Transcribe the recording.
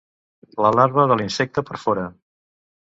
La larva de l'insecte perfora.